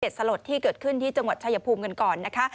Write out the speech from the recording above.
สลดที่เกิดขึ้นที่จังหวัดชายภูมิกันก่อนนะคะ